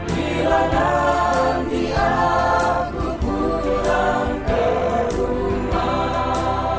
bila nanti aku pulang ke rumah